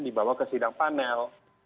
dibawa ke sidang panel